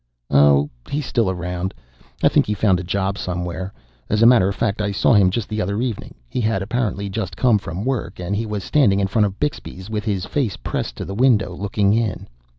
"Oh, he's still around. I think he found a job somewhere. As a matter of fact, I saw him just the other evening. He had apparently just come from work and he was standing in front of Bixby's with his face pressed to the window looking in.